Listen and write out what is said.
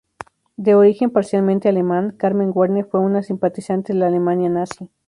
De origen parcialmente alemán, Carmen Werner fue una simpatizante de la Alemania nazi.